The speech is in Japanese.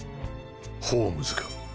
ホームズか。